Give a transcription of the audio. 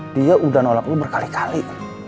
dia udah nolak ini berkali kali